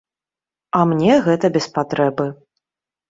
А мне гэта без патрэбы.